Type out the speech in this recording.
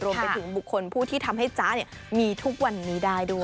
รวมถึงบุคคลผู้ที่ทำให้จ๊ะมีทุกวันนี้ได้ด้วย